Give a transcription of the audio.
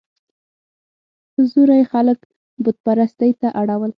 په زوره یې خلک بت پرستۍ ته اړول.